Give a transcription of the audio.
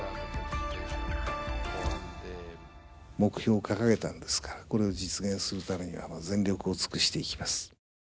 目標をかかげたんですからこれを実現するためには全力をつくしていきます。